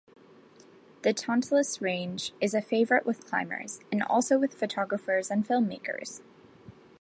The Tantalus Range is a favourite with climbers, and also with photographers and filmmakers.